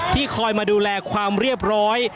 คอยมาดูแลความเรียบร้อย